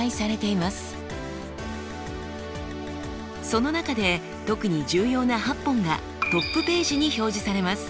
その中で特に重要な８本がトップページに表示されます。